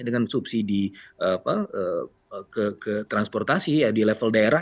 dengan subsidi ke transportasi ya di level daerah